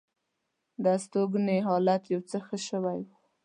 د هستوګنې حالت یو څه ښه شوی.